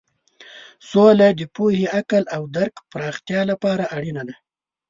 سوله د پوهې، عقل او درک پراختیا لپاره اړینه ده.